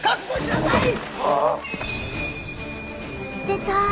出た！